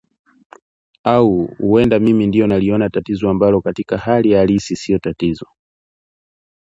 au huenda mimi ndio naliona tatizo ambalo katika hali halisi sio tatizo